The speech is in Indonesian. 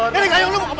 nenek kayu lu mau kemana